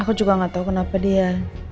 aku juga gak tahu kenapa dia